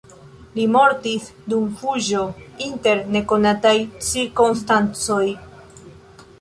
Li mortis dum fuĝo inter nekonataj cirkonstancoj.